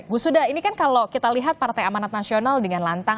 gusuda ini kan kalau kita lihat partai amanat nasional dengan lalu